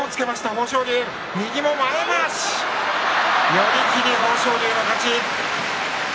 寄り切り、豊昇龍の勝ち。